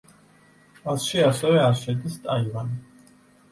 მასში ასევე არ შედის ტაივანი.